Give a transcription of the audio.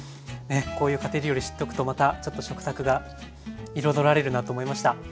こういう家庭料理知っとくとまたちょっと食卓が彩られるなと思いました。